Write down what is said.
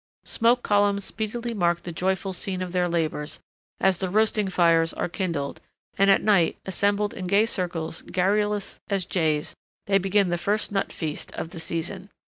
Smoke columns speedily mark the joyful scene of their labors as the roasting fires are kindled, and, at night, assembled in gay circles garrulous as jays, they begin the first nut feast of the season.